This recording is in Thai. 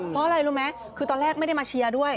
เพราะอะไรรู้ไหมคือตอนแรกไม่ได้มาเชียร์ด้วย